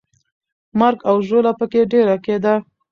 مرګ او ژوبله پکې ډېره کېده.